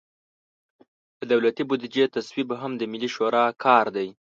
د دولتي بودیجې تصویب هم د ملي شورا کار دی.